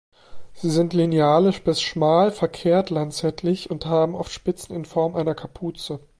Sie sind linealisch bis schmal verkehrtlanzettlich und haben oft Spitzen in Form einer Kapuze.